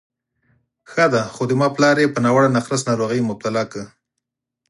ښه دی، خو زما پلار یې په ناوړه نقرس ناروغۍ مبتلا کړ.